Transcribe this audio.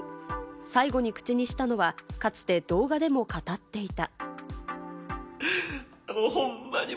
最後に口にしたのはかつて動画でも語っていた。